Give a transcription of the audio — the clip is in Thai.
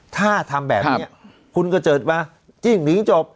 ถ้าทำแบบนี้คุณก็เจอว่าจริงหรือจบ